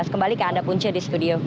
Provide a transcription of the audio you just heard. kembali ke anda pun c di studio